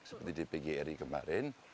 seperti di pgri kemarin